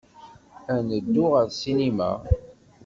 Ad neddu ɣer ssinima?